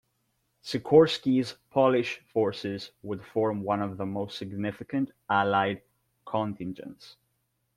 Sikorski's Polish forces would form one of the most significant Allied contingents.